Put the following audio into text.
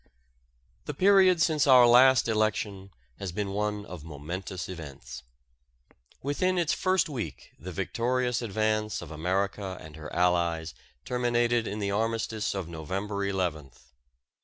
The period since our last election has been one of momentous events. Within its first week the victorious advance of America and her allies terminated in the armistice of November eleventh.